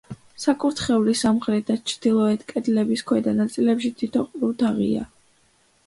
საკურთხევლის სამხრეთ და ჩრდილოეთ კედლების ქვედა ნაწილებში თითო ყრუ თაღია.